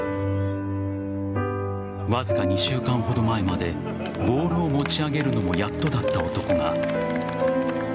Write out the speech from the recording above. わずか２週間ほど前までボールを持ち上げるのもやっとだった男が。